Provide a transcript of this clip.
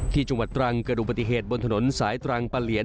จังหวัดตรังเกิดอุบัติเหตุบนถนนสายตรังปะเหลียน